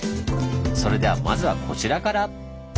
それではまずはこちらから！